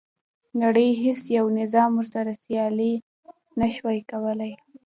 نړۍ هیڅ یو نظام ورسره سیالي نه شوه کولای.